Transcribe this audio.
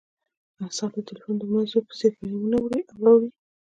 اعصاب د ټیلیفون د مزو په څیر پیامونه وړي او راوړي